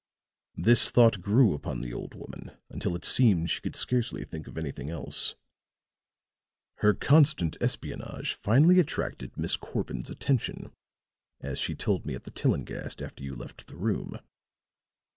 "This thought grew upon the old woman until it seemed she could scarcely think of anything else. Her constant espionage finally attracted Miss Corbin's attention, as she told me at the Tillinghast after you left the room.